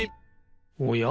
おや？